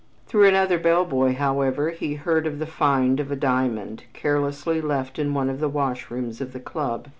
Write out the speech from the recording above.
Through another bell boy, however, he heard of the find of a diamond carelessly left in one of the wash rooms of the club.